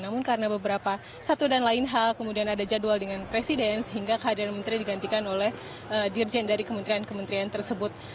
namun karena beberapa satu dan lain hal kemudian ada jadwal dengan presiden sehingga kehadiran menteri digantikan oleh dirjen dari kementerian kementerian tersebut